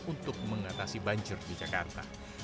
untuk mengatasi banjir di jakarta